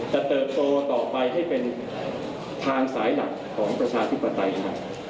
เติบโตต่อไปให้เป็นทางสายหลักของประชาธิปไตยยังไง